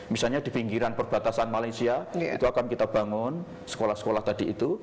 misalnya di pinggiran perbatasan malaysia itu akan kita bangun sekolah sekolah tadi itu